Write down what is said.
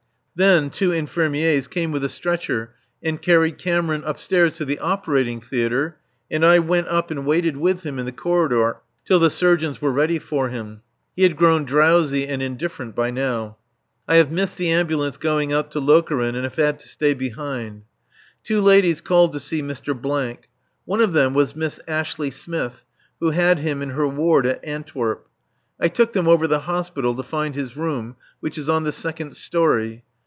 Then two infirmiers came with a stretcher and carried Cameron upstairs to the operating theatre, and I went up and waited with him in the corridor till the surgeons were ready for him. He had grown drowsy and indifferent by now. I have missed the Ambulance going out to Lokeren, and have had to stay behind. Two ladies called to see Mr. . One of them was Miss Ashley Smith, who had him in her ward at Antwerp. I took them over the Hospital to find his room, which is on the second story.